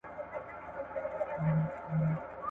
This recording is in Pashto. په ډېرو قامونو كي مورګنى ټولنيز نظام له منځه ولاړی